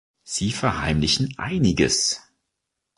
Sie verheimlichen einiges.